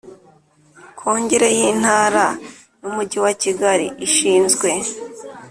Kongere y Intara n Umujyi wa Kigali ishinzwe